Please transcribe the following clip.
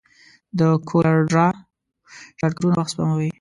د کولر ډراو شارټکټونه وخت سپموي.